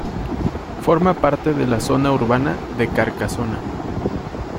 Forma parte de la zona urbana de Carcasona.